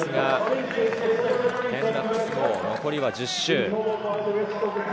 残り１０周。